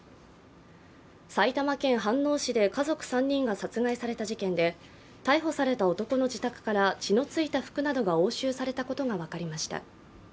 埼玉県飯能市で家族３人が殺害された事件で逮捕された男の自宅から血のついた服などが押収されたことが分かりました。